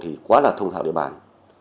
thì quá là thông thạo địa bàn